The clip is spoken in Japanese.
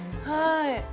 はい。